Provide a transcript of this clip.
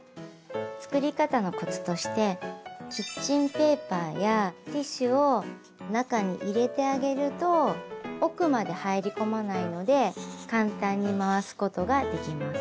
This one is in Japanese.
作り方のコツとしてキッチンペーパーやティッシュを中に入れてあげると奥まで入り込まないので簡単に回すことができます。